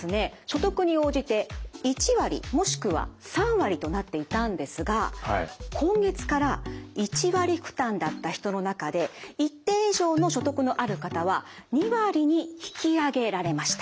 所得に応じて１割もしくは３割となっていたんですが今月から１割負担だった人の中で一定以上の所得のある方は２割に引き上げられました。